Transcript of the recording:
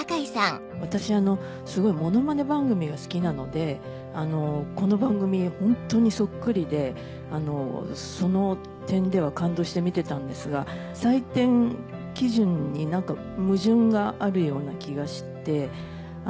私すごいモノマネ番組が好きなのでこの番組ホントにそっくりでその点では感動して見てたんですが採点基準に矛盾があるような気がして。